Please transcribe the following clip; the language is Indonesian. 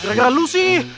gara gara lu sih